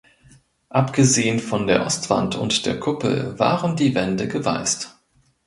Abgesehen von der Ostwand und der Kuppel waren die Wände geweißt.